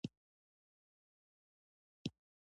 پښتنې پېغلې جنتيانې په پټه خوله په ځان غمونه تېروينه